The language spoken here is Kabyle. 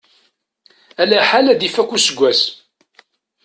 Alaḥal ad ifakk useggas.